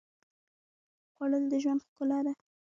خوړل د ژوند ښکلا ده